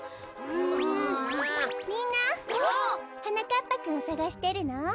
みんなはなかっぱくんをさがしてるの？